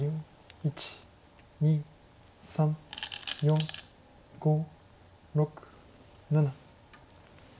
１２３４５６７。